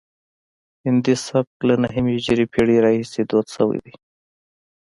هندي سبک له نهمې هجري پیړۍ راهیسې دود شوی دی